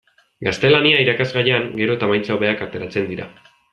Gaztelania irakasgaian gero eta emaitza hobeak ateratzen dira.